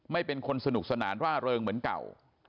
เป็นคนสนุกสนานร่าเริงเหมือนเก่า